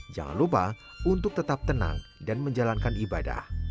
jangan lupa untuk tetap tenang dan menjalankan ibadah